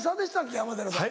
山寺さん。